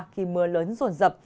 khi mưa lớn ruột rập